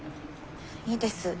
いいです。